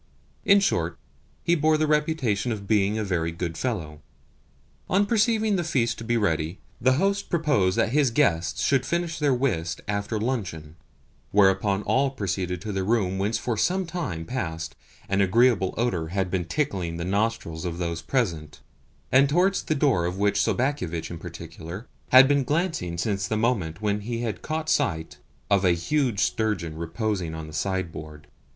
In short, he bore the reputation of being a very good fellow. On perceiving the feast to be ready, the host proposed that his guests should finish their whist after luncheon; whereupon all proceeded to the room whence for some time past an agreeable odour had been tickling the nostrils of those present, and towards the door of which Sobakevitch in particular had been glancing since the moment when he had caught sight of a huge sturgeon reposing on the sideboard.